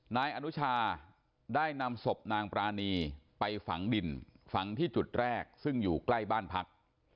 นายอนุชาได้นำศพนางปรานีไปฝังดินฝังที่จุดแรกซึ่งอยู่ใกล้บ้านพัก